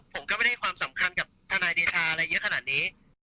ผมก็ไม่ได้ให้ความสำคัญกับทนายเดชาอะไรเยอะขนาดนี้